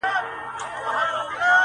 زما خبري خدايه بيرته راکه